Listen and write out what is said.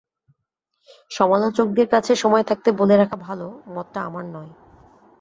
সমালোচকদের কাছে সময় থাকতে বলে রাখা ভালো, মতটা আমার নয়।